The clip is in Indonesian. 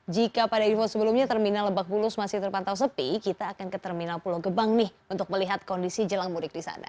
jika pada info sebelumnya terminal lebak bulus masih terpantau sepi kita akan ke terminal pulau gebang nih untuk melihat kondisi jelang mudik di sana